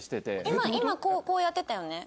今今こうやってたよね。